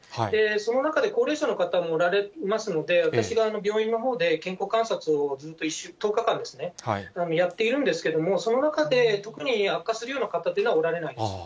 その中で、高齢者の方もおられますので、私が病院のほうで健康観察をずっと１０日間、やっているんですけれども、その中で、特に悪化するような方っていうのは、おられないです。